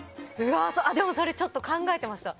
でも、それちょっと考えてました。